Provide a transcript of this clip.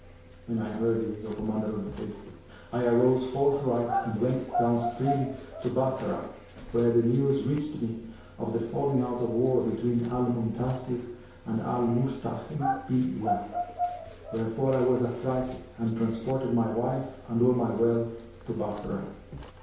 When I heard this, O Commander of the Faithful, I arose forthright and went down stream to Bassorah, where the news reached me of the falling out of war between Al Muntasir and Al Musta'нn bi 'llah;[FN#373] wherefore I was affrighted and transported my wife and all my wealth to Bassorah.